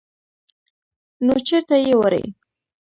_نو چېرته يې وړې؟